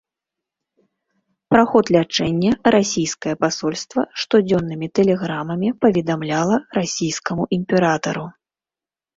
Пра ход лячэння расійскае пасольства штодзённымі тэлеграмамі паведамляла расійскаму імператару.